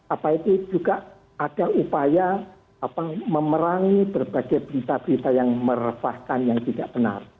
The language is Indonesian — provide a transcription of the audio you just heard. apa itu juga ada upaya memerangi berbagai berita berita yang meresahkan yang tidak benar